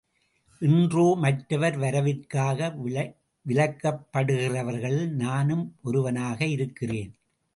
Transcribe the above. இன்றோ, மற்றவர் வரவிற்காக விலக்கப்படுகிறவர்களில் நானும் ஒருவனாக இருக்கிறேன்.